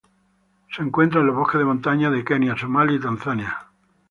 Se encuentra en en los bosques de montaña de Kenia, Somalia y Tanzania.